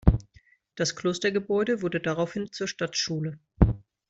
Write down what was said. Das Klostergebäude wurde daraufhin zur Stadtschule.